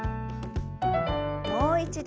もう一度。